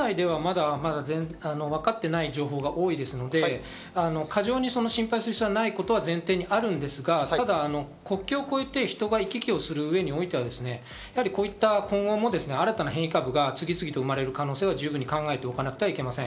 水野先生、ミュー株はどのよまだわかっていない情報が多いですので、過剰に心配する必要がないことを前提にあるんですが、ただ、国境を越えて人が行き来する上において、こういった今後も新たな変異株が次々と生まれる可能性は十分考えておかなくてはいけません。